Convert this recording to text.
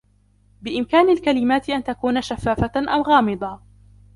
بإمكان الكلمات أن تكون شفافة أو غامضة.